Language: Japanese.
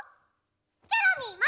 チョロミーも。